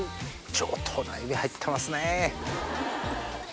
上等な海老入ってますね。